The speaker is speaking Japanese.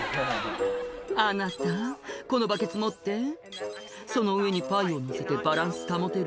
「あなたこのバケツ持って」「その上にパイをのせてバランス保てる？」